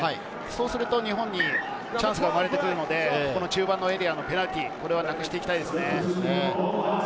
そうすると日本にチャンスが生まれてくるので、中盤のエリアのペナルティーはなくしていきたいですね。